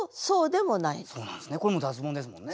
これも脱ボンですもんね。